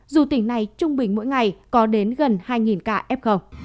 dù tỉnh này trung bình mỗi ngày có đến gần hai ca fg